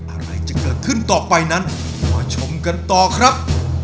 อะไรจะเกิดขึ้นต่อไปนั้นมาชมกันต่อครับ